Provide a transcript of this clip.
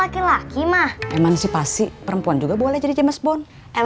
kamu mau jadi james bond